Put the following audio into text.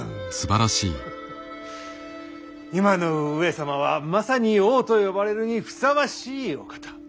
今の上様はまさに王と呼ばれるにふさわしいお方。